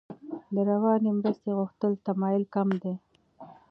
د رواني مرستې غوښتلو تمایل کم دی.